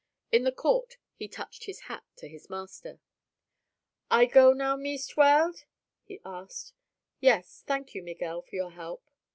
In the court he touched his hat to his master. "I go now, Meest Weld?" he asked. "Yes. Thank you, Miguel, for your help."